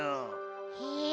へえ。